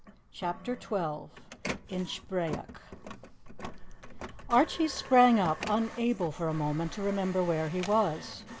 CHAPTER XII INCHBRAYOCK ARCHIE sprang up, unable, for a moment, to remember where he was.